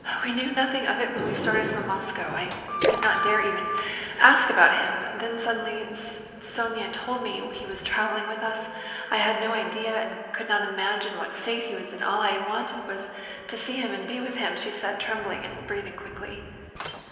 "We knew nothing of it when we started from Moscow. I did not dare to ask about him. Then suddenly Sónya told me he was traveling with us. I had no idea and could not imagine what state he was in, all I wanted was to see him and be with him," she said, trembling, and breathing quickly.